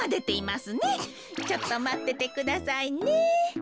ちょっとまっててくださいね。